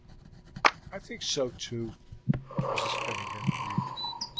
"I think so, too," Mrs. Cunningham agreed.